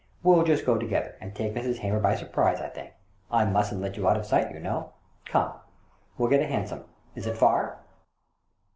We'll just go together, and take Mrs. Hamer by surprise, I think. I mustn't let you out of sight, you know. Come, we'll get a hansom. Is it far?